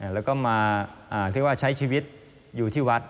แล้วก็มาใช้ชีวิตอยู่ที่วัด